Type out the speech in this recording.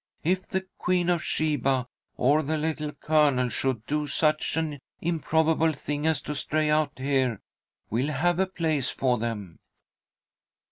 If the Queen of Sheba or the Little Colonel should do such an improbable thing as to stray out here, we'll have a place for them."